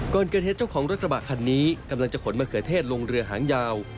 ก่อนเกิดเหตุเจ้าของรถกระบะคันนี้กำลังจะขนมะเขือเทศลงเรือหางยาว